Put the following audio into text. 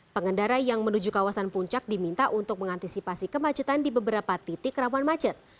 pengendara yang menuju kawasan puncak diminta untuk mengantisipasi kemacetan di beberapa titik rawan macet